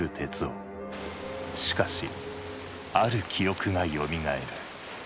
しかしある記憶がよみがえる。